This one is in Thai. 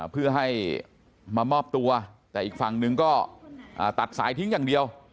เพื่อให้มามอบตัวแต่อีกฝั่งนึงก็ตัดสายทิ้งอย่างเดียว